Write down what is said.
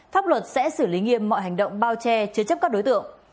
pháp luật sẽ xử lý nghiêm mọi hành động bao che chứa chấp các đối tượng